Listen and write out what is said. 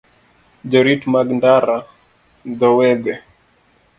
Jorit mag ndara, dho wedhe,